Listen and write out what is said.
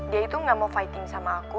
dia itu gak mau fighting sama aku